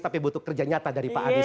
tapi butuh kerja nyata dari pak anies